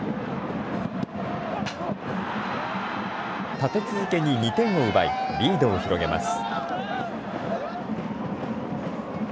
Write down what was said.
立て続けに２点を奪いリードを広げます。